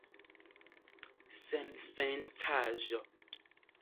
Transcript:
Sensencaĵo!